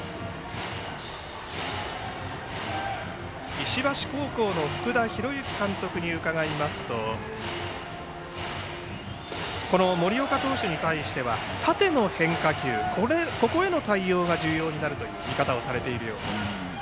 石橋高校の福田博之監督に伺いますと森岡投手に対しては縦の変化球ここへの対応が重要になるという見方をされているようです。